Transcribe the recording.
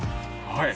はい？